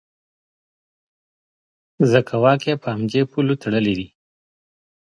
ځکه واک یې په همدې پولو تړلی دی.